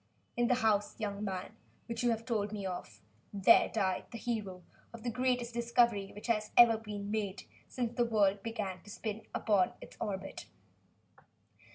In the house, young man, which you have told me of, there died the hero of the greatest discovery which has ever been made since the world began to spin upon its orbit."